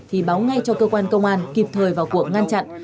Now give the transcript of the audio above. thì báo ngay cho cơ quan công an kịp thời vào cuộc ngăn chặn